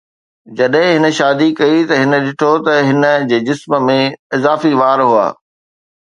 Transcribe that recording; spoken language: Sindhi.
جڏهن هن شادي ڪئي ته هن ڏٺو ته هن جي جسم ۾ اضافي وار هئا